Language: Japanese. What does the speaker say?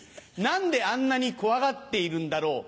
何であんなに怖がっているんだろう？